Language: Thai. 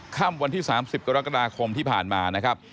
ค่ำวันที่๓๐กรกฎาคมที่ผ่านมานะครับ